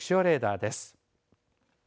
気象レーダーです。